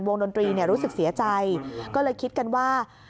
วงดนตรีรู้สึกเสียใจก็เลยคิดกันว่า